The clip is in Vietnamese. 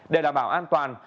để đảm bảo an toàn